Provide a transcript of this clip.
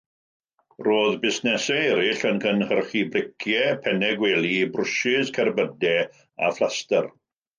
Roedd busnesau eraill yn cynhyrchu briciau, pennau gwely, brwshys, cerbydau a phlastr.